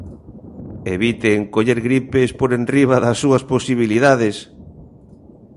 Eviten coller gripes por enriba das súas posibilidades.